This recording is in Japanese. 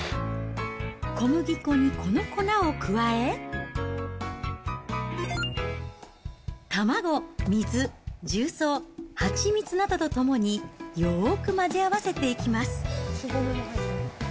小麦粉にこの粉を加え、卵、水、重曹、蜂蜜などとともに、よーく混ぜ合わせていきます。